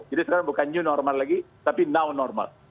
jadi sekarang bukan new normal lagi tapi now normal